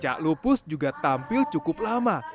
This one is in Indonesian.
cak lupus juga tampil cukup lama